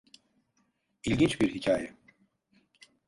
İlginç bir hikaye.